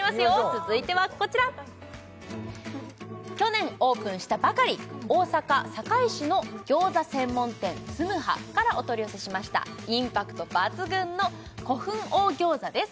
続いてはこちら去年オープンしたばかり大阪・堺市の餃子専門店紬刃からお取り寄せしましたインパクト抜群の古墳王餃子です